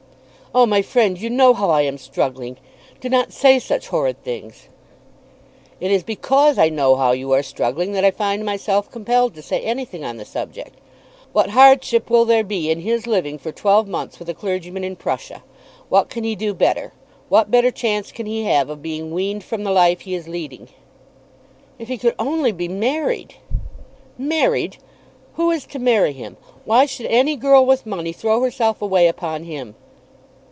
"Oh, my friend, you know how I am struggling! Do not say such horrid things." "It is because I know how you are struggling that I find myself compelled to say anything on the subject. What hardship will there be in his living for twelve months with a clergyman in Prussia? What can he do better? What better chance can he have of being weaned from the life he is leading?" "If he could only be married!" "Married! Who is to marry him? Why should any girl with money throw herself away upon him?"